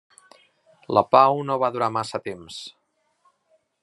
La pau no va durar massa temps.